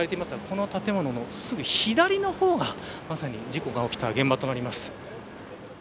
この建物のすぐ左の方がまさに事故が起きた現場となります。